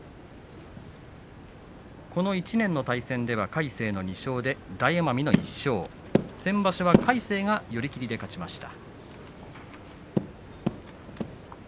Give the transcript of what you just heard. この１年の対戦では魁聖の２勝で大奄美の１勝先場所は魁聖が寄り切りで勝ちました。